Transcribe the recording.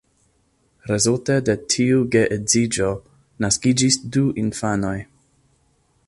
Rezulte de tiu geedziĝo naskiĝis du infanoj.